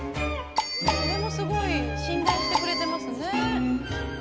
これもすごい信頼してくれてますね。